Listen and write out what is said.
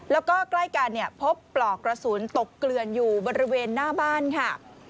แล้วก็ใกล้กันเนี่ยพบปลอกกระสุนตกเกลือนอยู่บริเวณหน้าบ้านค่ะ